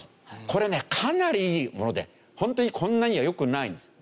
これねかなりいいもので本当にこんなには良くないんです。